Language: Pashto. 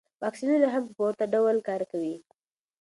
واکسینونه هم په ورته ډول کار کوي.